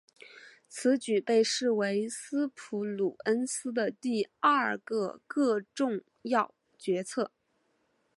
此举被视为斯普鲁恩斯的第二个个重要决策。